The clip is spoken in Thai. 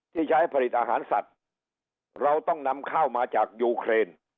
ที่ใช้ผลิตอาหารสัตว์เราต้องนำเข้ามาจากยูเครน